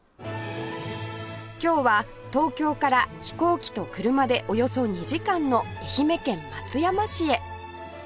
今日は東京から飛行機と車でおよそ２時間の愛媛県松山市へ